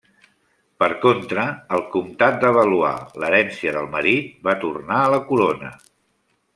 Per contra, el comtat de Valois, l'herència del marit, va tornar a la corona.